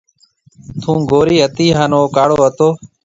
ٿُون گوري هتي هانَ او ڪاڙو هتو۔